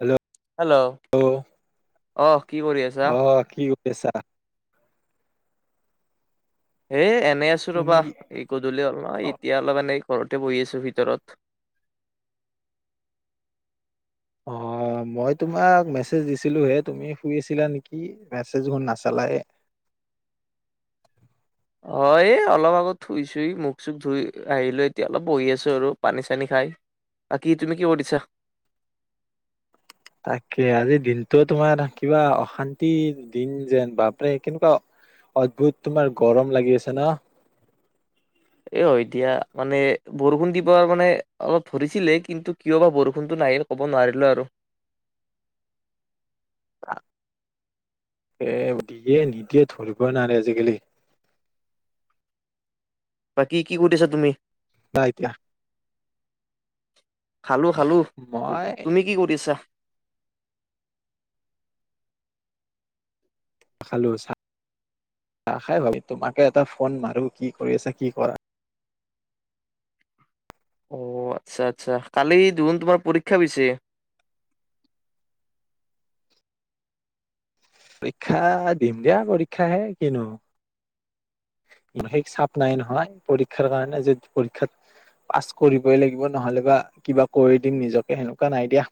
Hello. Hello. অহ' কি কৰি আছ? অ' কি কৰি আছা? এ' এনেই আছো তুমি ৰ'বা। এই গধূলি হ'ল নহয় এতিয়া অলপ এনেই ঘৰতে বহি আছো ভিতৰত। অ'। মই তোমাক মেছেজ দিছিলো হে তুমি শুই আছিলা নেকি মেছেজ বোৰ নাচালাই। অ' এই অলপ আগত থুই-ছোই মুখ-চুখ ধুই আহিলো এতিয়া অলপ বহি আছো আৰু পানী-চানী খাই। বাকী' তুমি কি কৰিছা? তাকে, আজিৰ দিনটো তোমাৰ কিবা অশান্তি দিন যেন বাপৰে কেনেকুৱা- অদ্ভুত তোমাৰ গৰম লাগি আছে ন। এ' হয় দিয়া। মানে বৰষুণ দিব মানে অলপ ধৰিছিলে কিন্তু কিয় বা বৰষুণতো নাহিল। ক'ব নোৱাৰিলোঁ আৰু। তাকে দিয়ে নিদিয়ে ধৰিব নোৱাৰে আজিকালি। বাকী' কি কৰি আছা তুমি? [unintelligible] খালো-খালো। মই তুমি কি কৰিছা? খালো চাহ খাই ভাবি তোমাকে এটা ফোন মাৰো কি কৰি আছা কি কৰা। অ'আচ্ছা-আচ্ছা। কালি দেখোন তোমাৰ পৰীক্ষা পিছে? পৰীক্ষা দিম দিয়া পৰীক্ষাহে কিনো। সিচাপ নাই নহয়, পৰীক্ষাৰ কাৰণে যে পৰীক্ষাত- পাছ কৰিবই লাগিব নহ'লে বা কিবা কৰি দিম নিজকে সেনেকুৱা নাই দিয়া।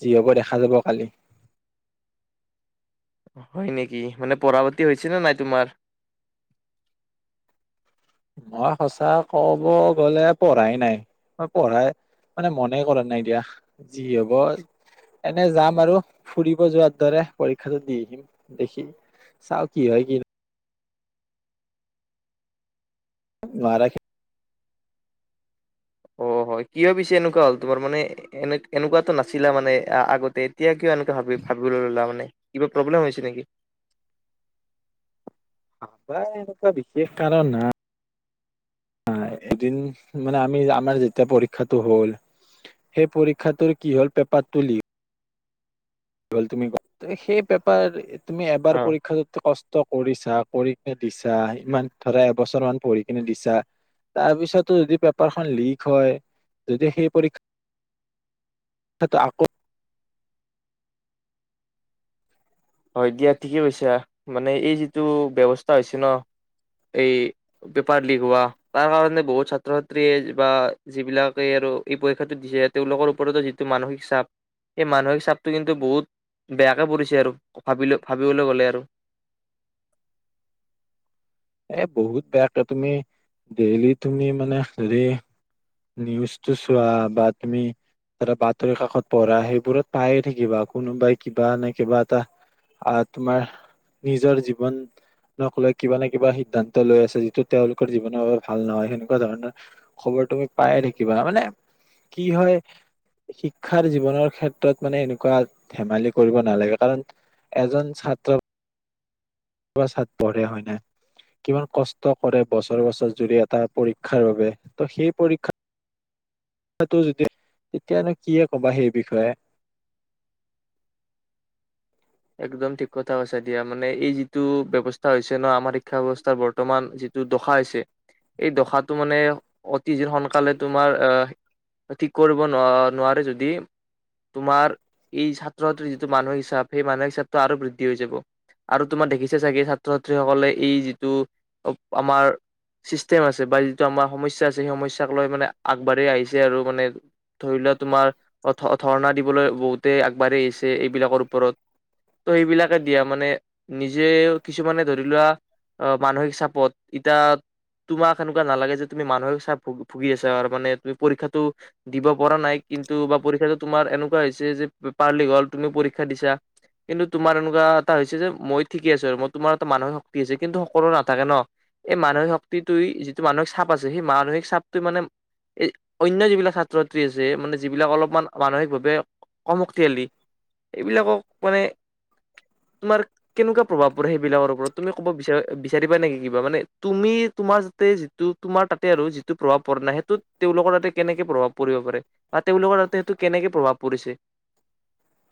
যি হ'ব দেখা যাব কালি। হয় নেকি। মানে পঢ়া-পাতি হৈছে নে নাই তোমাৰ? মই সঁচা কব গ'লে পঢ়াই নাই, মই পঢ়াই- মানে মনে কৰা নাই দিয়া, যি হ'ব- এনেই যাম আৰু ফুৰিব যোৱাৰ দৰে পৰীক্ষাটো দি আহ', আহিম দেখি- চাও কি হয় কি। [unintelligible] অ' হয়। কিয় পিছে এনেকুৱা হ'ল তোমাৰ মানে- এনে-এনেকুৱাতো নাছিলা মানে আগতে এতিয়া কিয় এনেকে ভাবি ভাবিব ল'লা মানে। কিবা প্ৰব্লেম হৈছে নেকি? নাই এনেকুৱা বিশেষ কাৰণ নাই। হয়, এদিন মানে আমি আমাৰ যেতিয়া পৰীক্ষাটো হ'ল- সেই পৰীক্ষাটোৰ কি হ'ল পেপাৰটো লি- গ'ল। তুমি সেই পেপাৰ তুমি অ এবাৰ পৰীক্ষা কষ্ট- কৰিছা, কৰি কিনে দিছা, ইমান ধৰা এবছৰ মান পঢ়ি কিনে দিছা। তাৰ পিছতো যদি পেপাৰখন লিক হয় যদি সেই পৰীক্ষা- ত আকৌ হয় দিয়া ঠিকেই কৈছা। মানে এই যিটো ব্যৱস্থা হৈছে ন' এই- পেপাৰ লিক হোৱা। তাৰ কাৰণে বহুত ছাত্ৰ ছাত্ৰীয়ে বা যিবিলাকে আৰু এই পৰীক্ষাটো দিছে। তেওঁলোকৰ ওপৰতো যিটো মানসিক চাপ সেই মানসিক চাপটো কিন্তু বহুত বেয়াকে পৰিছে আৰু। ভাবিলে ভাবিবলৈ গ'লে আৰু। এ বহুত বেয়াকে তুমি ডেইলি তুমি মানে হেৰি নিউজটো চোৱা বা তুমি এটা বাতৰি কাকত পঢ়া সেইবোৰত পায়েই থাকিবা কোনোবাই কিবা নে কিবা এটা আহ তোমাৰ নিজৰ জীৱন ক লৈ কিবা নে কিবা সিদ্ধান্ত লৈ আছে যিটো তেওঁলোকৰ জীৱনৰ বাবে ভাল নহয় সেনেকুৱা ধৰণৰ খবৰ তুমি পায়ে থাকিবা মানে কি হয় শিক্ষাৰ জীৱনৰ ক্ষেত্ৰত মানে এনেকুৱা ধেমালি কৰিব নালাগে কাৰণ এজন ছাত্ৰ ছাত্ৰ পঢ়ে হয় নে। কিমান কষ্ট কৰে বছৰ বছৰ জুৰি এটা পৰীক্ষাৰ বাবে ত' সেই পৰীক্ষা পৰীক্ষাটো যেতিয়া এতিয়ানো কিয়ে ক'বা সেই বিষয়ে। একদম ঠিক কথা কৈছা দিয়া মানে এই যিটো ব্যৱস্থা হৈছে ন আমাৰ শিক্ষা ব্যৱস্থাৰ বৰ্তমান যি যিটো দশা হৈছে এই দশাটো মানে অতিজে সোনকালে তোমাৰ আহ ঠিক কৰিব নোৱাৰ নোৱাৰে যদি তোমাৰ এই ছাত্ৰ ছাত্ৰীৰ যিটো মানসিক চাপ সেই মানসিক হিচাপটো আৰু বৃদ্ধি হৈ যাব। আৰু তোমাৰ দেখিছা চাগে ছাত্ৰ-ছাত্ৰীসকলে এই যিটো আমাৰ চিষ্টেম আছে বা যিটো আমাৰ সমস্যা আছে সেই সমস্যাক লৈ মানে আগবাঢ়ি আহিছে আৰু মানে। ধৰি লোৱা তোমাৰ ধৰ্ণা দিবলৈ বহুতেই আগবাঢ়ি আহিছে এইবিলাকৰ ওপৰত। ত' এইবিলাকে দিয়া মানে নিজেও কিছুমানে ধৰি লোৱা আহ মানসিক চাপত এতিয়া তোমাক এনেকুৱা নালাগে যে তুমি মানসীক চাপ ভুগি আছা আৰু মানে তুমি পৰীক্ষাটো দিব পৰা নাই কিন্তু বা পৰীক্ষাটো তোমাৰ এনেকুৱা হৈছে যে পেপাৰ লিক হ'ল তুমি পৰীক্ষা দিছা কিন্তু তোমাৰ এনেকুৱা এটা হৈছে যে মই ঠিকে আছো আৰু মই তোমাৰ এটা মানসিক শক্তি হৈছে কিন্তু সকলোৰ নাথাকে ন। এই মানসিক শক্তিটোই যিটো মানসিক চাপ আছে সেই মানসিক চাপটোৱে মানে এই অন্য যিবিলাক ছাত্ৰ ছাত্ৰী আছে মানে যিবিলাক অলপমান মানসিকভাৱে কম শক্তিশালী এইবিলাকক মানে তোমাৰ কেনেকুৱা প্ৰভাৱ পৰে সেইবিলাকৰ ওপৰত তুমি ক'ব বিচাৰ বিচাৰিবা নেকি কিবা মানে তুমি তোমাৰ যাতে যিটো তোমাৰ তাতে আৰু যিটো প্ৰভাৱ পৰা নাই সেইটোত তেওঁলোকৰ তাতে কেনেকে প্ৰভাৱ পৰিব পাৰে। বা তেওঁলোকৰ তাতে সেইটো কেনেকে প্ৰভাৱ পৰিছে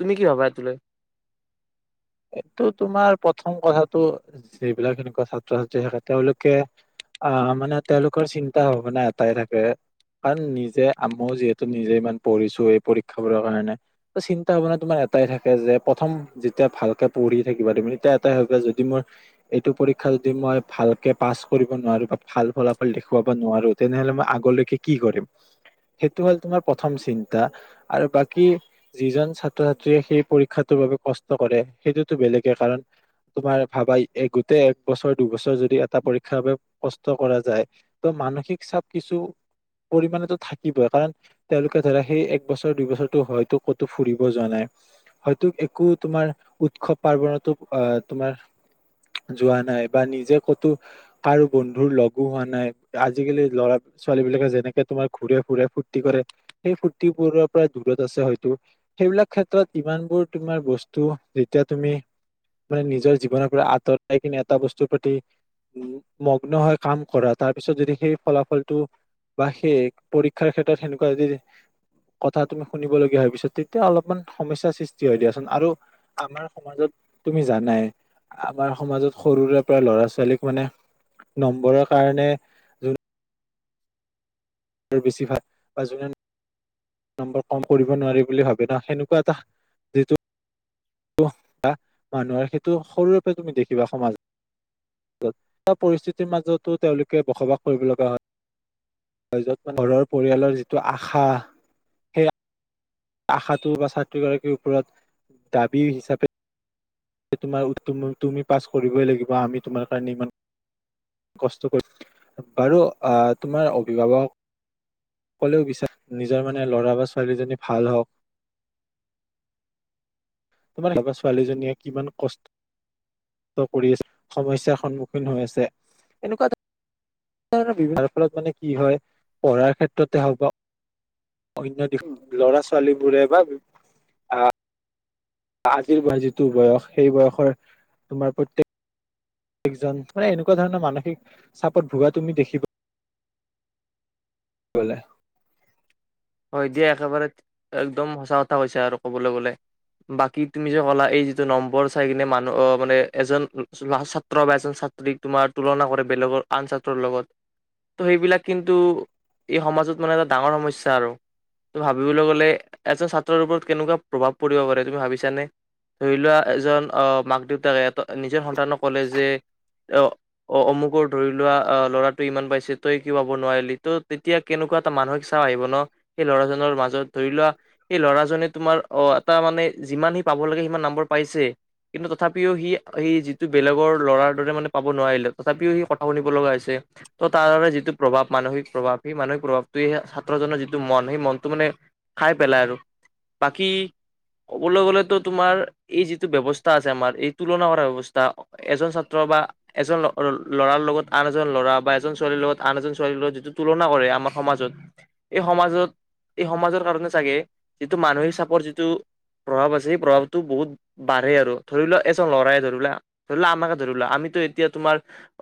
তুমি কি ভাবা এইটোলৈ? এইটো তোমাৰ প্ৰথম কথাটো যিবিলাক এনেকুৱা ছাত্ৰ ছাত্ৰী থাকে তেওঁলোকে আহ মানে তেওঁলোকৰ চিন্তা ভাবনা এটাই থাকে। কাৰণ নিজে মইয়ো যিহেতু নিজে ইমান পঢ়িছো এই পৰীক্ষাবোৰৰ কাৰণে টো চিন্তা ভাৱনা তোমাৰ এটাই থাকে যে প্ৰথম যেতিয়া ভাল পঢ়ি থাকিবা তুমি তেতিয়া এটাই ভাবিবা যদি মই এইটো পৰীক্ষা যদি মই ভালকে পাছ কৰিব নোৱাৰো বা ভাল ফলাফল দেখুৱাব নোৱাৰো। তেনেহলে মই আগলৈকে কি কৰিম সেইটো হ'ল তোমাৰ প্ৰথম চিন্তা আৰু বাকী যিজন ছাত্ৰ-ছাত্ৰীয়ে সেই পৰীক্ষাটোৰ বাবে কষ্ট কৰে সেইটোতো বেলেগে কাৰণ তোমাৰ ভাবা এই গোটেই এক বছৰ দুবছৰ যদি এটা পৰীক্ষাৰ বাবে কষ্ট কৰা যায়। ত মানসিক চাপ কিছু পৰিমাণেটো থাকিবই কাৰণ তেওঁলোকে ধৰা সেই একবছৰ দুইবছৰটো হয়তো কতো ফুৰিব যোৱা নাই। হয়তো একো তোমাৰ উৎসৱ পাৰ্বনতো আহ তোমাৰ যোৱা নাই বা নিজে কতো কাৰো বন্ধুৰ লগো হোৱা নাই আজিকালি ল'ৰা ছোৱালী বিলাকে যেনেকে তোমাৰ ঘুৰে ফুৰে ফুৰ্তি কৰে সেই ফূৰ্তিবোৰৰ পৰা দূৰত আছে হয়তো সেইবিলাক ক্ষেত্ৰত ইমানবোৰ তোমাৰ বস্তু যেতিয়া তুমি মানে নিজৰ জীৱনৰ পৰা আঁতৰাই কিনে এটা বস্তুৰ প্ৰতি উম, মগ্ন হয় কাম কৰা তাৰ পিছত যদি সেই ফলাফলটো বা সেইক পৰীক্ষাৰ ক্ষেত্ৰত সেনেকুৱা যদি কথা তুমি শুনিবলগীয়া হয় গৈছা তেতিয়া অলপমান সমস্যাৰ সৃষ্টি হয় দিয়াচোন আৰু আমাৰ সমাজত তুমি জানাই আমাৰ সমাজত সৰুৰে পৰা ল'ৰা-ছোৱালীক মানে নম্বৰৰ কাৰণে এ বেছি ভাল [inaudible] বা যোনে নম্বৰ কম কৰিব নোৱাৰি বুলি ভাবে না সেনেকুৱা এটা বা মানুহৰ সেইটো সৰুৰূপে তুমি দেখিবা সমাজত। [unintelligible] পৰিস্থিতিৰ মাজতো তেওঁলোকে বসবাস কৰিব লগা হয় [unintelligible] য'ত ঘৰৰ পৰিয়ালৰ যিটো আশা সেই আশাটো বা ছাত্ৰী গৰাকীৰ ওপৰত দাবী হিচাপে এ তোমাৰ তুম -তুমি পাছ কৰিবই লাগিব আমি তোমাৰ কাৰণে ইমান কষ্ট কৰি বাৰু আহ তোমাৰ অভিভাৱক সকলেও বিচাৰে নিজৰ মানে ল'ৰা বা ছোৱালীজনী ভাল হওক। তোমাৰ [unintelligible] ছোৱালীজনীয়ে কিমান কষ্ট কৰি আছে সমস্যাৰ সন্মুখীন হৈ আছে এনেকুৱা এটা [unintelligible] ফলত মানে কি হয় পঢ়াৰ ক্ষেত্ৰতে হওক বা অন্য দিশো ল'ৰা-ছোৱালী বোৰে বা আজিৰ [unintelligible] যিটো বয়স সেই বয়সৰ তোমাৰ প্ৰত্যেক- একজন মানে এনেকুৱা ধৰণৰ মানসিক চাপত ভুগা তুমি দেখিবা [unintelligible] হয় দিয়া একেবাৰে একদম সঁচা কথা কৈছা আৰু কবলৈ গলে। বাকী তুমি যে ক'লা এই যিটো নম্বৰ চাই কিনে মানুহ অ, মানে এজন ছাত্ৰ বা এজন ছা ছাত্ৰীক তোমাৰ তুলনা কৰে বেলেগৰ আন ছাত্ৰৰ লগত ত' সেইবিলাক কিন্তু এই সমাজত মানে এটা ডাঙৰ সমস্যা আৰু। ত' ভাবিবলৈ গলে এজন ছাত্ৰৰ ওপৰত কেনেকুৱা প্ৰভাৱ পৰিব পাৰে তুমি ভাবিছানে? ধৰি লোৱা এজন অ, মাক-দেউতাকে এটা নিজৰ সন্তানক কলে যে অ, অ, অমুকৰ ধৰি লোৱা অ, ল'ৰাটো ইমান পাইছে তই কিয় পাব নোৱাৰিলি তো তেতিয়া কেনেকুৱা এটা মানসিক চাপ আহিব ন'সেই ল'ৰাজনৰ মাজত ধৰি লোৱা এই ল'ৰাজনে তোমাৰ অ, এটা মানে যিমান সি পাব লাগে সিমান নম্বৰ পাইছে। কিন্তু তথাপিও সি-সি যিটো বেলেগৰ ল'ৰাৰ দৰে মানে পাব নোৱাৰিলে তথাপিও সি কথা শুনিব লগা হৈছে ত' তাৰ বাবে যিটো প্ৰভাৱ মানসিক প্ৰভাৱ সেই মানসিক প্ৰভাৱটো [unintelligible] ছাত্ৰজনৰ যিটো টো মন সেই মনটো মানে খাই পেলাই আৰু বাকী ক'বলৈ গ'লেতো তোমাৰ এই যিটো ব্যৱস্থা আছে আমাৰ এই তুলনা কৰা ব্যৱস্থা এজন ছাত্ৰ বা এজন ল - লৰাৰ লগত আন এজন ল'ৰা বা এজন ছোৱালীৰ লগত আন এজন ছোৱালীৰ লগত যিটো তুলনা কৰে আমাৰ সমাজত এই সমাজত এই সমাজৰ কাৰণে চাগে যিটো মানসিক চাপৰ যিটো প্ৰভাৱ আছে সেই প্ৰভাৱটো বহুত বাঢ়ে আৰু ধৰি লোৱা এজন লৰাই ধৰি লোৱা - ধৰি লোৱা আমাকে ধৰিলোৱা আমিতো এতিয়া তোমাৰ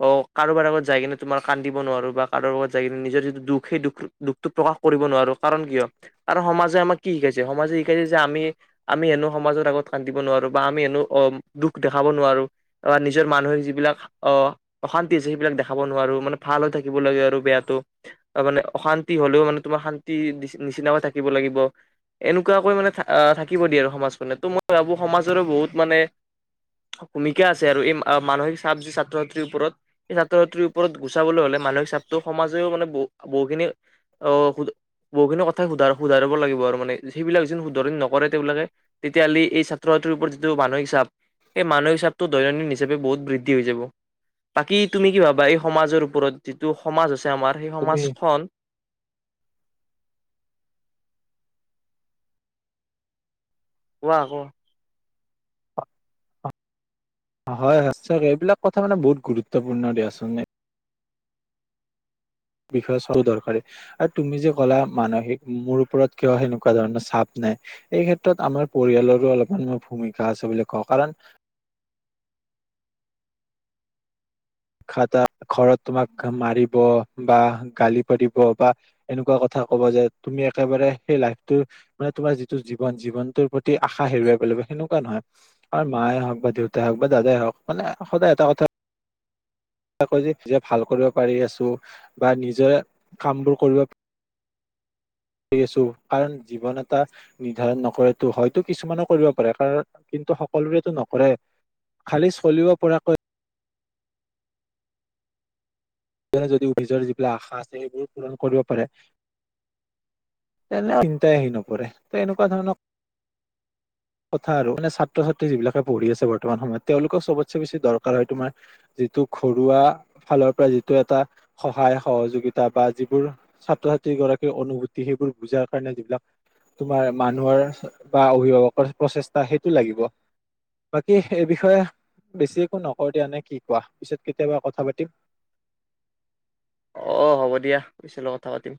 অ, কাৰোবাৰ আগত যাই কিনে তোমাৰ কান্দিব নোৱাৰো বা কাৰো আগত যাই কিনে নিজৰ যিটো দুখ সেই দুখ-দুখটো প্ৰকাশ কৰিব নোৱাৰো কাৰণ কিয় কাৰণ সমাজে আমাক কি শিকাইছে সমাজে শিকাইছে যে আমি- আমি হেনো সমাজৰ আগত কান্দিব নোৱাৰো বা আমি হেনো অ দুখ দেখাব নোৱাৰো। বা নিজৰ মানুহে যিবিলাক অহ'। অশান্তি হৈছে সেইবিলাক দেখাব নোৱাৰো মানে ভাল হৈ থাকিব লাগে আৰু বেয়াটো মানে অশান্তি হলেও মানে তোমাৰ শান্তি নিচিনা থাকিব লাগিব। এনেকুৱাকৈ মানে থাকিব দিয়ে আৰু সমাজখনে। ত' মই ভাবো সমাজৰো বহুত মানে- ভূমিকা আছে আৰু এই মানসিক চাপ ছাত্ৰ ছাত্ৰীৰ ওপৰত। এই ছাত্ৰ ছাত্ৰীৰ ওপৰত গুচাবলৈ হ'লে মানসিক চাপটো সমাজেও মানে বহু বহুখিনি অঁ' বহুখিনি কথাই সুধা শুধাৰিব লাগিব আৰু মানে সেইবিলাক যেন শুধৰি নকৰে তেওঁবিলাকে- তেতিয়াহ'লে এই ছাত্ৰ ছাত্ৰীৰ ওপৰত যিটো মানসিক চাপ- এই মানসিক চাপটো দৈনন্দিন হিচাপে বহুত বৃদ্ধি হৈ যাব। বাকী তুমি কি ভাবা এই সমাজৰ ওপৰত যিটো সমাজ আছে আমাৰ সেই তুমি সমাজখন- কোৱা ক? হয় সঁচাকে। এইবিলাক কথা মানে বহুত গুৰুত্বপূৰ্ণ দিয়াচোন। বিষয় চ'ব দৰকাৰি। আৰু তুমি যে ক'লা মানসিক মোৰ ওপৰত কিয় সেনেকুৱা ধৰণৰ চাপ নাই। এই ক্ষেত্ৰত আমাৰ পৰিয়ালৰো অলপমান মই ভূমিকা আছে বুলি কওঁ কাৰণ- [unintelligible] ঘৰত তোমাক মাৰিব বা গালি পাৰিব বা- এনেকুৱা কথা ক'ব যে তুমি একেবাৰে সেই লাইফটো- মানে তোমাৰ যিটো জীৱন জীৱনটোৰ প্ৰতি আশা হেৰুৱাই পেলাব লাগিব সেনেকুৱা নহয়। আৰু মায়ে হওক বা দেউতাই হওক বা দাদাই হওক মানে সদায় এটা কথা- নিজে ভাল কৰিব পাৰি আছোঁ বা নিজৰ কামবোৰ কৰিব- কৰি আছোঁ কাৰণ জীৱন এটা- নিৰ্ধাৰণ নকৰেতো, হয়তো কিছুমানে কৰিব পাৰে কাৰণ কিন্তু সকলোৰেতো নকৰে। খালি চলিব পৰাকৈ- নে যদি অভিজৰ যিবিলাক আশা আছে সেইবোৰ পূৰণ কৰিব পাৰে। তেনে চিন্তাই আহি নপৰে ত' এনেকুৱা ধৰণৰ- কথা আৰু মানে ছাত্ৰ ছাত্ৰী যিবিলাকে পঢ়ি আছে বৰ্তমান সময়ত তেওঁলোকৰ চবতচে বেছি দৰকাৰ হয় তোমাৰ- যিটো ঘৰুৱা ফালৰ পৰা যিটো এটা সহায় সহযোগিতা বা যিবোৰ- ছাত্ৰ ছাত্ৰী গৰাকীৰ অনুভূতি সেইবোৰ বুজাৰ কাৰণে যিবিলাক- তোমাৰ মানুহৰ বা অভিভাৱকৰ প্ৰচেষ্টা সেইটো লাগিব। বাকী, এই বিষয়ে বেছি একো নকও দিয়া নে কি কোৱা, পিছত কেতিয়াবা কথা পাতিম। অ' হ'ব দিয়া পিছত কথা পাতিম।